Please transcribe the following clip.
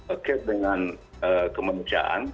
oke dengan kemanusiaan